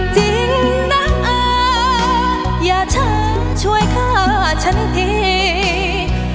จริงน้ำอาอย่าจะช่วยฆ่าฉันทิ้ง